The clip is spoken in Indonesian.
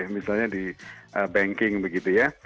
misalnya di banking begitu ya